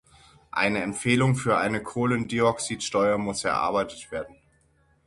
Eine Empfehlung für eine Kohlendioxydsteuer muss erarbeitet werden.